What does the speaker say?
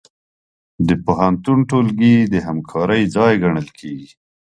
د پوهنتون ټولګي د همکارۍ ځای ګڼل کېږي.